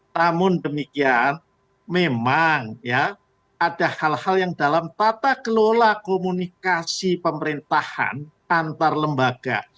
namun demikian memang ya ada hal hal yang dalam tata kelola komunikasi pemerintahan antar lembaga